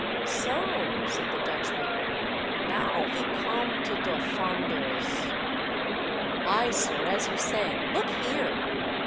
" So," said the Dutchman. " Now ve com to der fonders." " Ay, sir, as you say. Look here